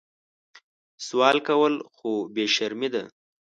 سوال کول خو بې شرمي ده